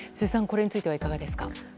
これについてはいかがですか。